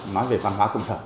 nói về văn hóa công sở